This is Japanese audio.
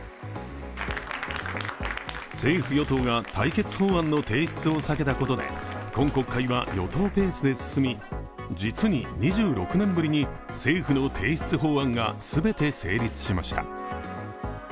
政府・与党が対決法案の提出を避けたことで今国会は与党ペースで進み、実に２６年ぶりに、政府の提出法案が全て成立しました。